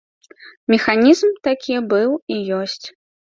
Механізм такі быў і ёсць.